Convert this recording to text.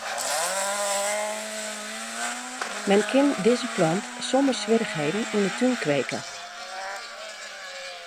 Men kin dizze plant sonder swierrichheden yn 'e tún kweke.